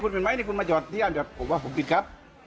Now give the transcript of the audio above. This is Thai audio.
พูดเป็นไหมที่คุณมาจอดเที่ยงแบบผมว่าผมผิดครับ